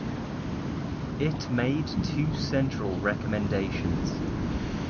It made two central recommendations.